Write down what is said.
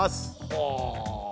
ほう！